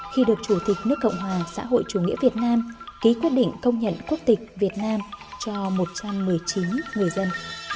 khi được chủ tịch nước cộng hòa xã hội chủ nghĩa việt nam ký quyết định công nhận quốc tịch việt nam cho một trăm một mươi chín người dân